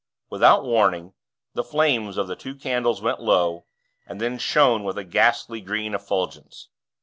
Without warning, the flames of the two candles went low, and then shone with a ghastly green effulgence.